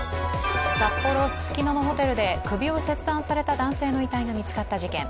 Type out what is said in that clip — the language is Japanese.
札幌・ススキのホテルて首を切断された男性の遺体が見つかった事件。